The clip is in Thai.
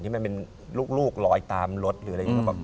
มันเป็นลูกลอยตามรถหรืออะไรอย่างนี้